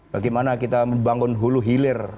bagaimana kita membangun hulu hilir